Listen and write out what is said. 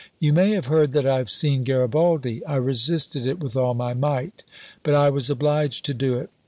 You may have heard that I have seen Garibaldi. I resisted it with all my might, but I was obliged to do it.